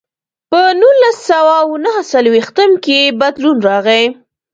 په نولس سوه او نهه څلوېښتم کې بدلون راغی.